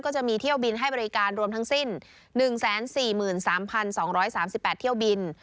จะมีเที่ยวบินให้บริการรวมทั้งสิ้น๑๔๓๒๓๘เที่ยวบิน